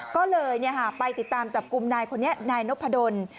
ก็เลยไปติดตามจับกลุ่มนายคนนี้นายนพดล